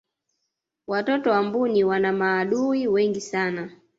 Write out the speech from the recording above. watoto wa mbuni wana maadui wengi sana